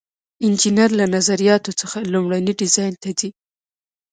انجینر له نظریاتو څخه لومړني ډیزاین ته ځي.